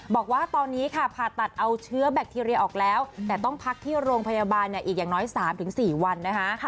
บอกว่าตอนนี้ค่ะผ่าตัดเอาเชื้อแบคทีเรียออกแล้วแต่ต้องพักที่โรงพยาบาลอีกอย่างน้อย๓๔วันนะคะ